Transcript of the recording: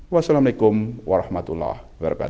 wassalamu alaikum warahmatullah wabarakatuh